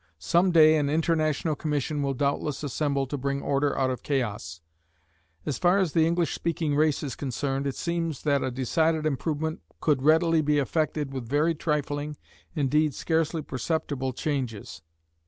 Some day an international commission will doubtless assemble to bring order out of chaos. As far as the English speaking race is concerned, it seems that a decided improvement could readily be affected with very trifling, indeed scarcely perceptible, changes.